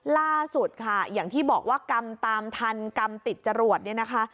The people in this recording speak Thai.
ล่าสุดค่ะอย่างที่บอกว่ากรรมตามทันกรรมติดจรวดเนี่ยนะคะ